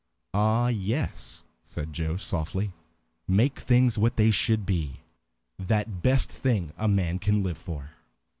"Ah, yes," said Joe, softly. "Make things what they should be. That is the best thing a man can live for."